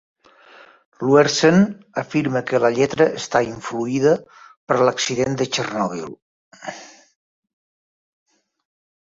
Luerssen afirma que la lletra està influïda per l'accident de Chernobyl.